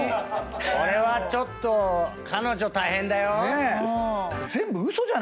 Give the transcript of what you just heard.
これはちょっと彼女大変だよ。